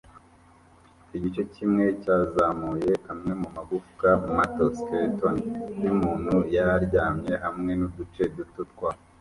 igice kimwe cyazamuye amwe mumagufwa mato, skeleton yumuntu yararyamye, hamwe nuduce duto twa